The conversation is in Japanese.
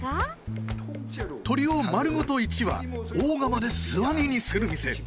鶏を丸ごと１羽大釜で素揚げにする店。